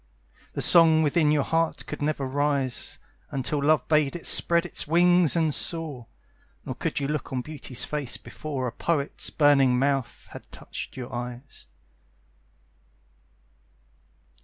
The song within your heart could never rise Until love bade it spread its wings and soar. Nor could you look on Beauty's face before A poet's burning mouth had touched your eyes.